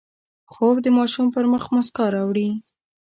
خوب د ماشوم پر مخ مسکا راوړي